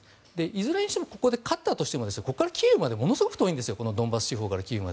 いずれにしてもここで勝ったとしてもドンバス地方からキーウまで遠いんですよ。